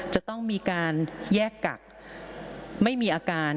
จะต้องมีการแยกกักไม่มีอาการ